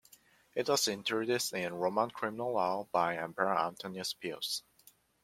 It was introduced in Roman criminal law by emperor Antoninus Pius.